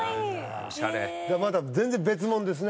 また全然別もんですね。